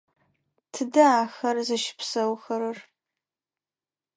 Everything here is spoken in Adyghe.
Тыдэ ахэр зыщыпсэухэрэр?